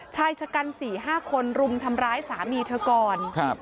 ชายชะกัน๔๕คนรุมทำร้ายสามีเธอก่อนครับ